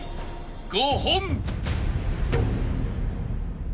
５本］